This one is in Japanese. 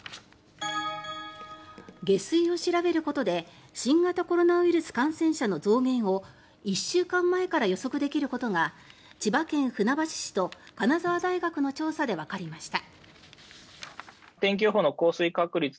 下水を調べることで新型コロナウイルス感染者の増減を１週間前から予測できることが千葉県船橋市と金沢大学の調査でわかりました。